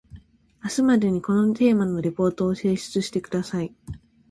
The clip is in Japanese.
明日までにこのテーマのリポートを提出してください